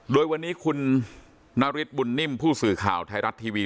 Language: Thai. โดยวันนี้คุณนฤทธิบุญนิ่มผู้สื่อข่าวไทยรัฐทีวี